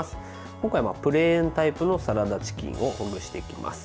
今回はプレーンタイプのサラダチキンをほぐしていきます。